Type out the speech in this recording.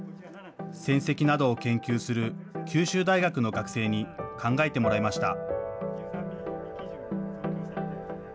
戦跡などを研究する九州大学の学生に考えてもらいました。